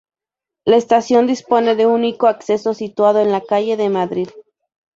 La estación dispone de un único acceso situado en la calle de Madrid.